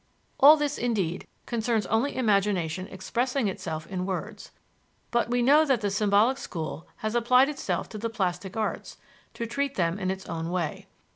All this, indeed, concerns only imagination expressing itself in words; but we know that the symbolic school has applied itself to the plastic arts, to treat them in its own way.